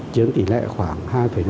trường tỷ lệ khoảng hai năm